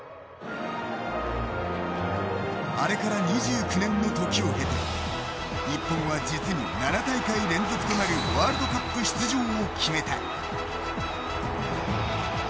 あれから２９年の時を経て日本は実に７大会連続となるワールドカップ出場を決めた。